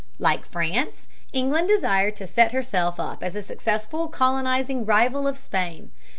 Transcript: Like France, England desired to set herself up as a successful colonizing rival of Spain.